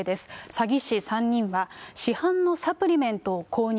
詐欺師３人は、市販のサプリメントを購入。